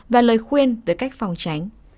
và lời khuyên về cách phòng tránh